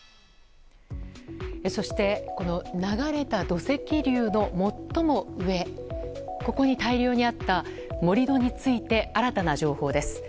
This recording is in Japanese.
そして、流れた土石流の最も上ここに大量にあった盛り土について新たな情報です。